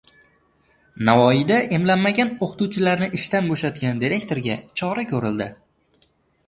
Navoiyda emlanmagan o‘qituvchilarni ishdan bo‘shatgan direktorga chora ko‘rildi